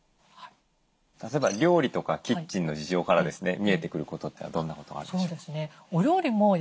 例えば料理とかキッチンの事情から見えてくることってどんなことがあるんでしょう？